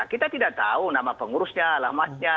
kita tidak tahu nama pengurusnya alamatnya